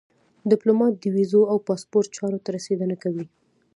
ډيپلومات د ویزو او پاسپورټ چارو ته رسېدنه کوي.